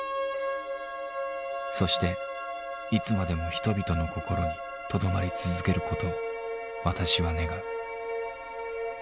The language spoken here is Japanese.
そしていつまでも人々の心にとどまり続けることを私は願う」。